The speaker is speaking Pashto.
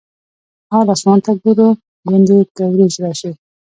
اول اسمان ته ګورو ګوندې که ورېځ راشي.